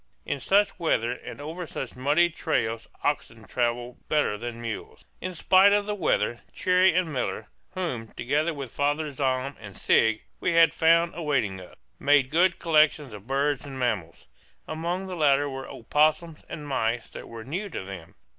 In such weather and over such muddy trails oxen travel better than mules. In spite of the weather Cherrie and Miller, whom, together with Father Zahm and Sigg, we had found awaiting us, made good collections of birds and mammals. Among the latter were opossums and mice that were new to them.